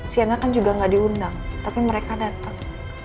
sienna kan juga gak diundang tapi mereka datang